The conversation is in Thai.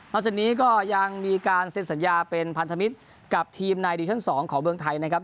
จากนี้ก็ยังมีการเซ็นสัญญาเป็นพันธมิตรกับทีมในดิชั่น๒ของเมืองไทยนะครับ